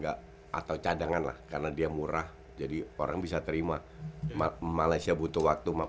atau cadangan lah karena dia murah jadi orang bisa terima malaysia butuh waktu